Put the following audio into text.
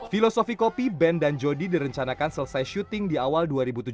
filosofi kopi ben dan jody direncanakan selesai syuting di awal dua ribu tujuh belas